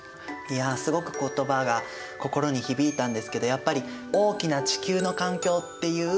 いやすごく言葉が心に響いたんですけどやっぱり大きな地球の環境っていう